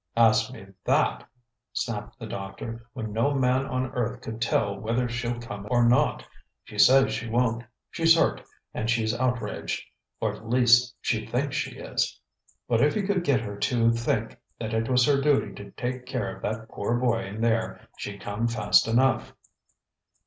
"Ask me that," snapped the doctor, "when no man on earth could tell whether she'll come or not. She says she won't. She's hurt and she's outraged; or at least she thinks she is. But if you could get her to think that it was her duty to take care of that poor boy in there, she'd come fast enough."